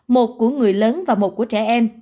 một của người lớn và một của trẻ em